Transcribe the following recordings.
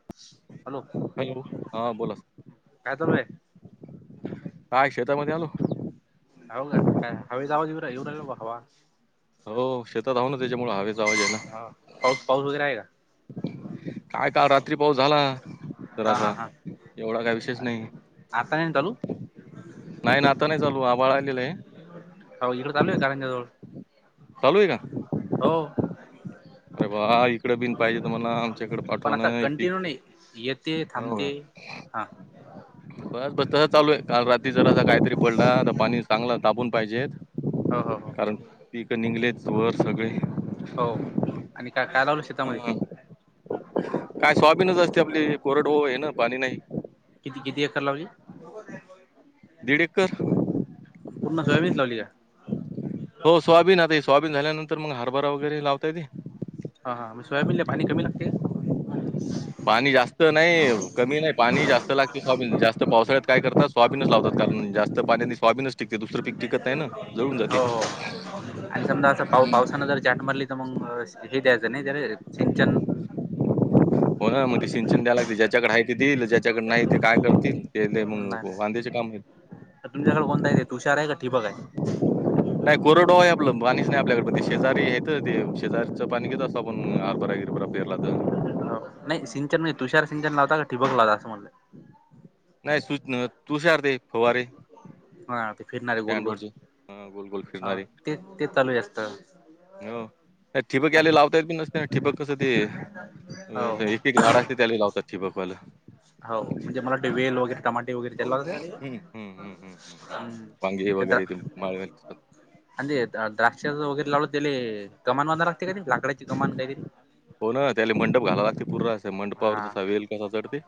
[inaudible] Hello, हा बोला काय चालू सर आहे [inaudible] काय शेतामध्ये आलो. होव का का हवी जाहावद इवरा इवरल वा हवा! हो शेतात [unintelligible] त्याच्यामुळं हवेचा आवाज यायला. हा पाऊस पाऊस वगैरे आहे का [inaudible] काय का रात्री पाऊस झाला? हा हा जरासा हा एवढा काय विषयच नाही. आता नाही ना चालू. नाही ना, आता नाही चालू आबाळ आलेलं आहे. [inaudible] अहो इकडे चालू आहे कारंजा जवळ. चालू आहे का? हो. अरे वाह! इकडं बिन पाहिजे तर म्हणा आमच्याकडे [inaudible] पाठवा पण ना असा हे पीक. कंटिन्यू नाही. येते हो थांबते का? हा [inaudible] बस बस तस चालू आहे. काल रात्री जर आता काहीतरी पडला तर पाणी चांगलं तापून पाहिजेत हो हो हो कारण पिकं निघलेच वर सगळे. हो आणि काय काय लाव हम काय स्वाबीनच असते आपली कोरड हो हे ना पाणी नाही. किती किती एकर लावली? दीड एकर. पूर्ण गावयाबीच लावली का? हो, सोयाबीन आता सोयाबीन झाल्यानंतर, मग हारभरा वगैरे लावता येतय. हा हा म सोयाबीन पाणी कमी लागते. पाणी जास्त नाही कमी नाही पाणी जास्त लागते स्वाब जास्त पावसाळ्यात काय करतात. स्वाबीनच लावतात कारण जास्त पाण्या स्वाबीन हो हो आणि समजा असं पाऊ पावसानं जर चाट मरली मग हे द्यायचं नाही त्या सिंचन. बगा मग ते सिंचन द्याय लागते ज्याच्याकडे आहे ते देईल ज्याच्याकडे नाही ते काय करतील ते म वांद्याचे काम तर तुमच्याकडे कोणताय आहे ते तुषार आहे का ठिपक आहे? नाही कोरडो आहे आपलं पाणीच नाही आपल्याकड ते शेजारी आहेेत ते शेजारीचं पाणी घेत असं आपण हरभराच पेरला तर हो नाही सिंचन नाही तुषार सिंचन लावता का ठिबक लावता असं म्हटलं? नाही सुच तुषार ते फवारे. ते फिरणारे गोलगोल स्टँडवरचे. हा गोल गोल अ फिरणारे. ते ते चालू जास्त. हो ठिपक्यायले लावतायेत बी नस त्या ठिबक कसं ते? हो एक एक झाड असतय, त्याला लावतात ठिबकवाल हाव म्हणजे मला ते वेल वगैरे टमाटे वगेरे हं, हं, हं, हं, हं, हं. हम् वांगे वगैरे ते माळवेल [unintelligible] आणि जे द्राक्षाच वगैरे लावल त्याले, कमान बांधावी लागते का रे, लाकडाची कमान काय ते? हो ना त्याला मंडप घालाव लागते, पूरा अस मंडपावर हा जसा वेल कसा चढते?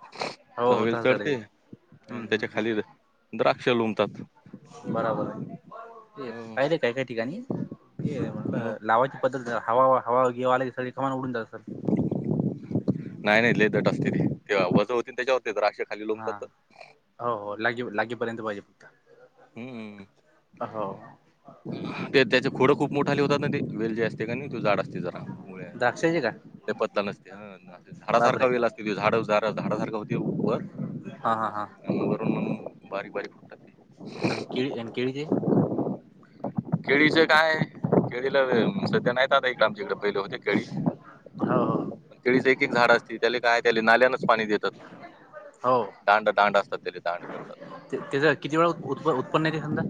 हो तवा हो वेल तसंच काहीतरी चढते आणि हम्म त्याच्या हम्म खाली हम्म द्राक्ष लोंबतात. बराबर हाय. तेच हो, पाहिलय काय काय ठिकाणी? हे हो. म्हटलं लावायची पद्धत, हवा हवा घेवा आला की, सगळी कमान उडून जात असल. नाही नाही लय दट असतय, तेवा वजन होतय त्याच्यावरती द्राक्ष खाली हा लोंबतात तर. हो हो लागी लागीपर्यंत पाहिजे. हुं हो हुं. ते त्याचे खोडं खूप मोठाले होतात आणि ते वेल जे असतय का नाही? जाड असतय. ते जरा मुळ्या म्हणजे द्राक्षाचे का ते पतल असतय, हा झाड बापरे सारखा वेल असते. की ते झ झाड झा झाडा सारखं होतय. हा हा हा. हम्म बारीक बारीक फुटतात ते. आणि केळी आणि केळीचे केळीच काय? केळीला व्हय सध्या नाहीत, आता इकडे आमच्या इकडे पहिले होते केळी हो हो केळीच एक एक झाड असतय, त्याला काय त्याले नाल्यानच पाणी देतात. दांड दांड असतात. तेज दांड करतात. त्याच किती वेळा उत्पन्न येतय? समजा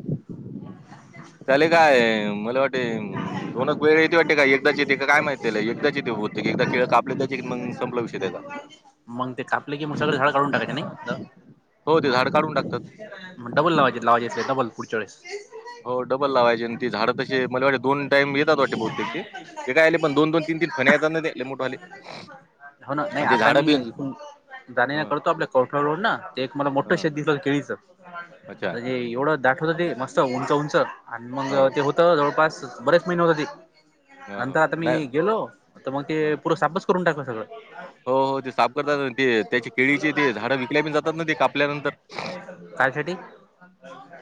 त्याले काय? मला वाटे हम दोनच वेळे येते वाटते का? का एकदाच येते काय माहिती ले एकदाच येथे बहुतेक, एकदा केळ कापले त्याचे, मग संपला विषय त्याचा मग ते कापले कि मग सगळ झाड काढून टाकायचे नाही. हो ते झाड काढून टाकतात डबल लावायचेत, लावायचे असले तर, डबल पुढच्या वेळेस. हो डबल लावायचे ती झाडं तशी मला वाटे दोन टाईम येतात वाटे बहुतेक, ते ऐकले पण दोन दोन तीन तीन फन्या येतात ना ते लई मोठे आले. हो ना नाही आणि ते आता मी झाडं बी इकुन धन्या हं, कळतोय आपल्याला कवठ रोड ना, ते एक मला मोठं हं, शेेत दिस केळीचं. अच्छा अरे एवढं दाट? होत ते मस्त, उंच उंच आणि मग हो ते होत जवळपास बरेच महिने होत ते. हं, नंतर आता हो मी नाही गेलो तर मग ते हं. पुरं सापस करून टाकलं सगळं हो हो ते साफ करतात, ते त्याची केळीचे ते झाडं विकल्या पण जातात ना ते कापल्यानंतर कायसाठी?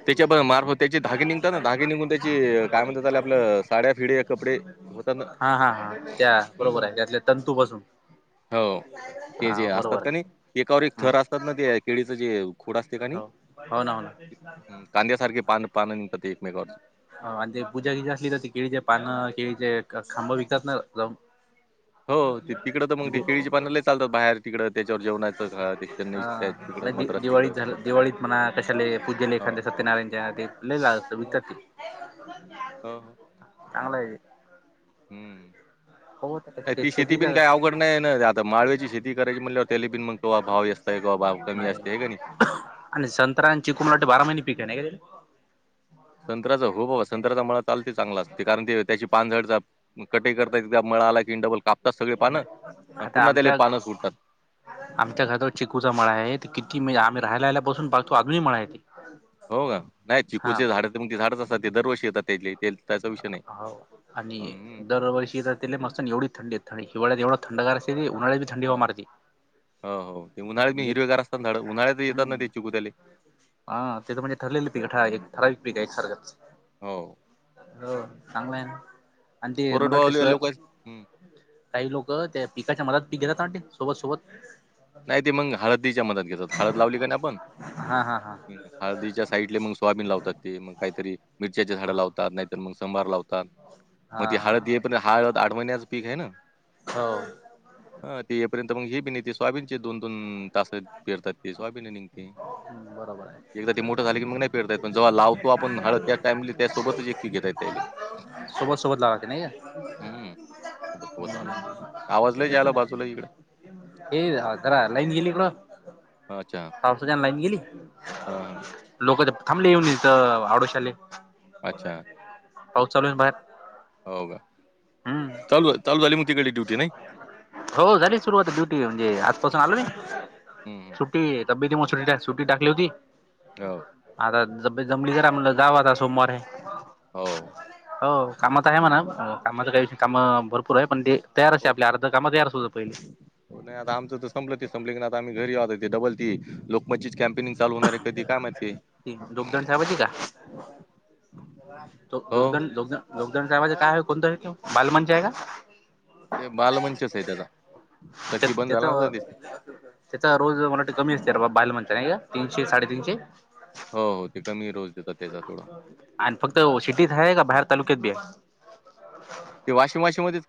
त्याच्या प मार्फत त्याचे धागे निघतात ना, धागे निघून त्याची काय म्हणतात त्याले आपलं साड्या, फिडे या कपडे, होतात ना हा हा हा त्या बरोबर हुं. आहे त्यातल्या तंतू पासून हाव ते जे हा असतात बरोबर का नाई? आहे एकावर एक हा थर असतात. असतात ना, त्या केळीच जे खोड असतय का नी हो हो ना, हो ना. पान पानं निघतात ते एकमेकावरची. आणि ते पूजा गीजा असली तर, ते केळीचे पानं, केळीचे खांब, विकतात ना जावून होव तिकडं तर, मग ते केळीची पान लई चालत्यात बाहेर तिकडं त्याच्यावर जेवनाचं घास, चेन्नई हा तिकड तिकडे नाही दि मद्रास दिवाळीत तिकडं. झालं, दिवाळीत म्हणा कशाले पूजेले हो, एखाद्या चे हो. सत्यनारायणच्या ते लय झाल तर, विकत घे हाव. चांगला हाय. हम्म. खवट नाही ती शेती पण काय आवघड नाही ना? आता माळव्याची शेती करायची म्हटल्यावर, त्याले पण मग तो भाव येतो. लईच बाबा [unintelligible] नाही असतिया का नाई. आणि संतराा आणि चिकू मराट बारा महिने पिका आहे नाही. संत्राचा हो बाबा संत्राचा मला चालते चांगला असते कारण ते त्याची पानझडचा कटे करतात त्या मळा आला की डबल कापतात सगळे नाही पानं आता पुन्हा त्याले आमच्या पानं सुटतात आमच्या घरात चिकूचा मळा आहे किती म्हणजे आम्ही राहालायला बसून पाहतो अजूनही मळा आहे ते हो का नाही हा चिकूचे झाडचेग ते झाडच असतात ते दरवर्षी येतात त्या ते त्याचा विषय नाही हो आणि हम्म. दरवर्षीच तिथले मस एवढी थंडी आहे. आणि हिवाळयात एवढ थंडगार शरीर उन्हाळया हा हो हो ते उन्हाळत मी म्हणजे हिरवेगार असताना झाड उन्हाळ्यात येतात ना हम्म ते चुिकूत्याले हा ते तर म्हणजे ठरलेलं पक ठ ठराव पिका एक सारखच हो हो चांगलं आहे आणि ते मला वाटते कोरडवाहू सोया लोक काही लोक त्या पिकाच्या मधात पी घेेतात आण सोबत सोबत नाही ते मग हळदीच्या मदत घेतात हळद लावली काय नाही आपण हा हा हा हळद दीच्या साइले मग सोयाबीन लावात ते मग काहीतरी मिरच्याच झाडं हा लावतात नाहीतर मग संबार लावतात. हा मग ती हळद हा ये पण हळद आठ महिन्याच पीक आहे ना हो हा ते येपर्यंत मग ही बी न त स्वाबीनची दोन दोन तास पेरतात ते स्वायबिने निघते. बरोबर आहे. एकदा ते मोठं झाली की मग नाही पेरता येत पण जेव्हा लावतो आपण हळत त्या टाईमली त्यासोबतच एक पिक घेता येत. त्याले सोबत सोबत लावाते नाही का? बस पोहोचायला आवाजला आला लय बाजूला इकडे ये आरा लाईन गेली ना? हा चहा पावसाच्यान लाईन गेली लोक थांबले येऊनथ आडोशले अच्छा पाऊस चालू बाहेर हो का हम्म चालू चालू झाली मग तिकडली डयुटी नाही. हो झाली सुरुवात ड्युटी म्हणजे आजपासून आलो नयी हम्म हम्म सुट्टी तबबेती मुळ सुटीये सुटी टाकली होती हो आता जमली जरा म्हण जाव आता सोमवार हे हो. हो कामात आहे म्हणा कामाला काय काम भरपूर आहे पण डेली तयार अस हो आपल्या अर्ध काम तयार होतं पहिले. हो नाही आता आमचं तर संपलंच संपलं की आ् घरीह डबल त लकमच्चीच कॅम् चालू होणार आहे कधी का मा- ती जोगदंड दोगोग दोगद दवाज काय आहे कोणत आहे त बालमंच आहे का ते बालमंचच आहे त्याचा तेच सखी बंद तेथ झाला ना ह ते त्याचा रोज मराठी कमी असते बाबा बाहेल म्हणत नाहीये तीनशे साडेतीनशे हो हो ते क मी रोज देतात त्याचा थोडं आणि फक्त सिटीत आहे का? बाहेर तालुक्यात बी आहे. ते वॉशिंग वाशीनमध्येच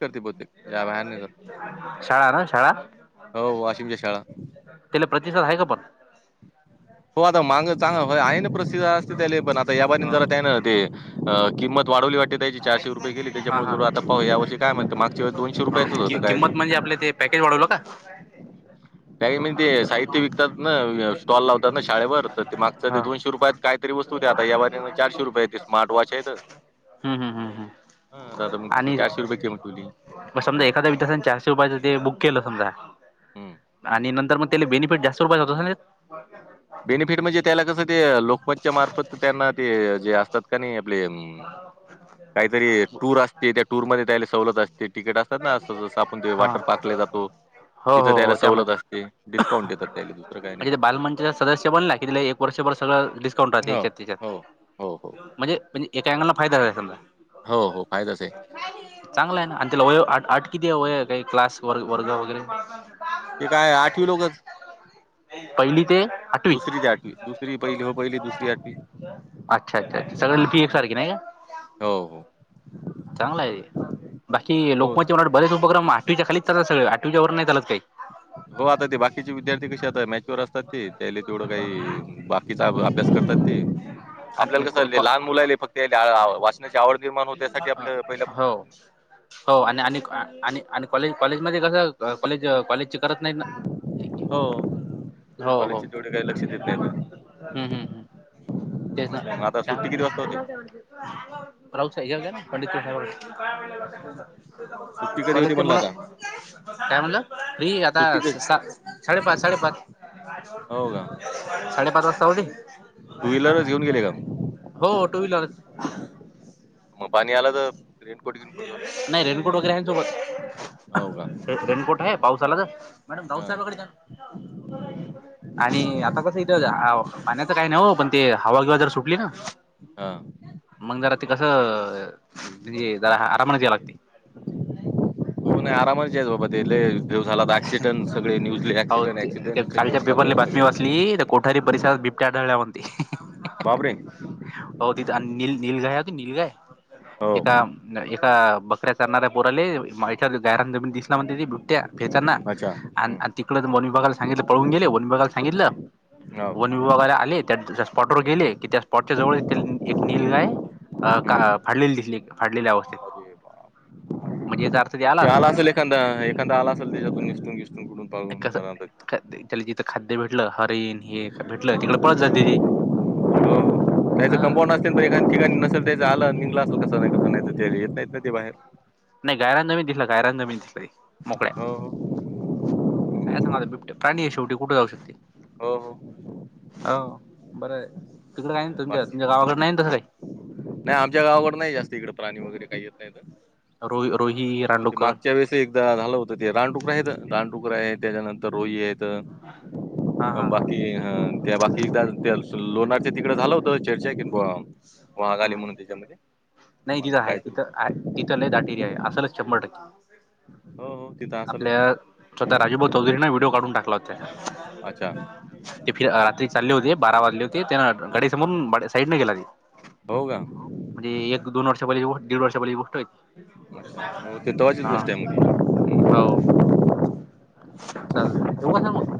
शाळा ना शाळा हो वाशिमच्या शाळा त्याले प्रतिसाद ह का पण हो आता माग चांग आहे ना प्रसिद्ध असते त्याले पण आता या बाजणी हो जरा त्या ना ते अ किंमत वाढवली वाटे द्यायची चारशे रुपय गेली हा त्याच्यामुळे हा जर आता पाह या वर्षी काय म्हणं माग वेस हो दोनशेुपयाच कि होतं काय ते किंमत म्हणजे आपले ते पॅकेज वाढवलं का? का का म्हणजे ते साहित्य विकतात ना. स्टॉल लावतात ना शाळेवर तर ते मागं ते हा दोनशे रुपयात काहीतरी वत होते आता या व चारशे रुपया स्मार्ट वॉच आहे त द मग तिची चारशे रुपये किम ठेवली. म समा एखा्या विधसा रपया ते बुक केलं समजा हं. आणि नंतर मग त्याले बेनिफिट जास्त रुपयाच होत. बर बेनिफिट म्हणजे त्याला कसं ते लोकमतच्या मार्फत त्यांना ते जे असतात का नाही आपले काहीतरी टूर असते त्या टूरमध्येध्ये त्यायला सवलत असते तिकीट अस. ना असं जस आपण ते हा वाटर पाकला जातो. हो तिथं हो त्याला हो सवलत असते डिस्काउंट त्यामध्ये देतात त्याला दुसरं काय नाही म्हणजे ते बाकी बालमंचचा सदस्य बनला कि तिला एक वर्षभर सगळं डिस्काउंट राहते हो, त्याच्यात हो, त्याच्यात हो, हो, म्हणजे म्हणजे एका अँगलला फायदा झाय समजा. हो हो फायदाच आहे. चांगला आहे ना आणि त्याला वय आट किती वय काही क्लास व वर्ग वगैरे ते काय आठवी लोकच. पहिली ते आठवी दुसरी ते आठवी दुसरी पहिली हो पहिली दुसरी आठवी अच्छा अच्छाच्छ सगळ ल पी एक सख नाही का? हो हो चांगला आहे बाकी होच लोकमत बेच उपक्रम आठवीच्या खलीच चात सग आवीच्या वर नाही चात काही हो आता ते बाकीचे विद्यार्थी कसे आता मॅच्यअर असतात ते त्याला तेवढं काही बाकीचा अभ्यास करतात ते आणि आपल्याला कसं लहान मुलाहिले फक्त वाचनाची आवड नििर्माण हो त्यासाठी आपल्या पहिल्यापासून हो हो आणि आणि आणि आणि कॉलेज कॉलेजमध्येध्ये कस कॉलेज कॉलेज करत नाही ना क हो हो हो कॉलेजचे तेवढे काही लक्ष देत नाही ना हम्म हम्म हम् तेच असं आहे. मग आता काय सुट्टी किती वाजता होते म्ह प्रऊ ना पंडित सुट्टी कधी कल होती ते म्हणलं मला आता टयमला र आता सुट्टी कधी साडेपाच साडेपाच हो का साडेपाच वाजता होती. टू व्हीलरच घेऊन गेले का? हो टू व्हीलर म पाणी आल तर? रेनकोट गिनकोट घालून नाही रेनकोट वगैरे हो का आहेसोबत. रेनकोट आहे पावसालाच मॅडम हा राऊसाहेबाकडे दया हम्म. आणि आता कसं इथं पाण्याचं काही नाही हो पण ते हवागिवा जर सुटली ना हा मग जरा ते कसं म्हजे जरा आरामने दय लागते. हो आरामच बाबा तेले झालात अक्सिडेंट सगळे न्यजले हो क्सिडेंट ते ऍक्सिडेंटचे कालच्या न्यूज चालू पेपरला आहे बातमी सगळे वाचली तर कोठारी परिसरात बिबट्याढळल्या म्हते. बाबरे हो तिथ नील निलगाय होती निलगाय एका हो, एका बकऱ्यात णारऱ्या पोराले गार जमीन दिस म्हण बुट्या फेताना. अच्छा. आण हं, तिकड वन विभागला सांगितलं पळून गेले वनविभागला सांगितलं हो, वन वन विभाग वाले आले त्या स्पॉट वर गेले की त्या स्पॉटच्या जवळ एक नीलगाय अ का हं. फाडलेली दिसली फाडलेल्या अवस्थेत. अरे बाप! ते आला असेल एखादा एखादा आला असेल त्याच्यातून निसटून खिसटून कुठून पाून कस त्याला जिथं खाद्य भेटलं हरण हे भेटलं तिकड पळत जाते तेे अ कं्पाऊंड असल तर एख ठिकाणी नसेल त्या आलं निघलं असल कस नाही कस नाही येत नाहीत ना ते बाहेर. नाय घरातना बी दिसला घरातना बी दिसलंय मोकळ्या हो, काय सांगाव हो. ते बिबटे प्राणी ये शेवटी कुठ जाऊ शकते. हो हो. हो बरं आहे तिकड हाय ना तुमच्या तुमच्या गावाकड नाही ना तस काही नाय आमच्या गावाकड नाय जास्त इकडे प्राणी वगैरे काही येत नाही त रोही रोही हो ते रांडोकर मागच्या वेळेस ते एकदा झालं होतं ते रानडुकरा आहेत रानडुकरा आहेत त्याच्यानंतर रोई आहेत. हा त हा हा बाकी हं त्या बाकी एकदा अजून त्या लोणारच्या तिक इकडं झालं होत चर्चा की वा गोळा झाली ह म्हणून त्याच्यामध्ये नाही मग तिथं आहे कायतरी, तिथं आहे तिथं ल दाटीर ये असलच शंभर टक्के. हो हो. तिथं असलच ना. आपल्या स्वतः राजूभाऊ चौधरीने व्हिडिओ काढून टाकला होत्या अच्छा. ते फि रात्री चालले होते बारा वाजले होते त्यानं गाडी समोरून साईडने गेला की भाऊ का म्हणजे एक दोन वर्षांपली दीड वर्षापली गोष्ट हाय ती अच्छा अच्छा हो ती तवाचीच गोष्ट आहे म ती चालते ठेऊ का सांहेब म